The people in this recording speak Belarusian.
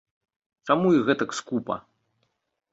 Чаму іх гэтак скупа?